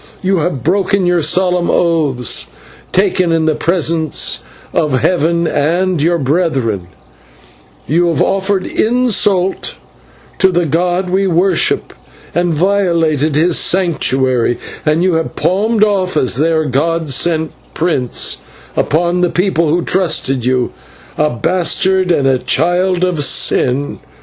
You have broken your solemn oaths taken in the presence of heaven and your brethren; you have offered insult to the god we worship, and violated his Sanctuary; and you have palmed off as their god sent prince, upon the people who trusted you, a bastard and a child of sin.